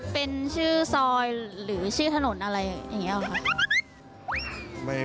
เป็นชื่อซอยหรือชื่อถนนอะไรอย่างนี้ค่ะ